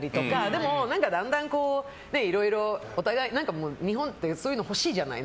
でも、だんだんいろいろお互い日本ってそういうの欲しいじゃない。